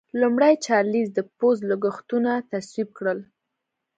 لومړي چارلېز د پوځ لګښتونه تصویب کړل.